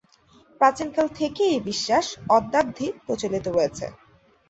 প্রাচীনকাল থেকেই এই বিশ্বাস অদ্যাবধি প্রচলিত রয়েছে।